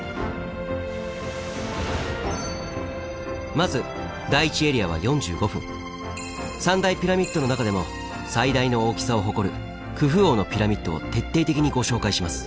まず３大ピラミッドの中でも最大の大きさを誇るクフ王のピラミッドを徹底的にご紹介します。